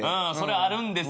あるんですよ。